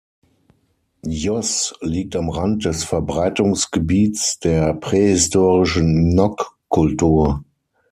Jos liegt am Rand des Verbreitungsgebiets der prähistorischen Nok-Kultur.